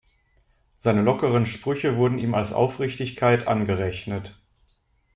Seine lockeren Sprüche wurden ihm als Aufrichtigkeit angerechnet.